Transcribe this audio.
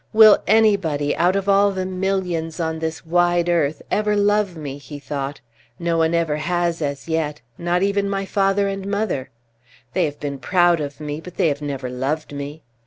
"Will anybody, out of all the millions on this wide earth, ever love me!" he thought. "No one ever has as yet not even my father and mother. They have been proud of me, but they have never loved me.